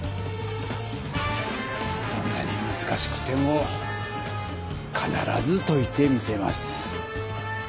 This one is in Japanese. どんなにむずかしくてもかならずといてみせます！